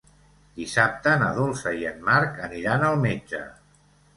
Dissabte na Dolça i en Marc aniran al metge.